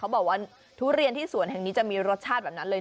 บอกว่าทุเรียนที่สวนแห่งนี้จะมีรสชาติแบบนั้นเลย